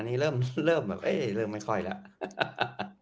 นี่เริ่มแบบเริ่มไม่ค่อยแล้ว